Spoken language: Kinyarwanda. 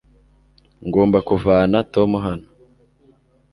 ngomba kuvana tom hano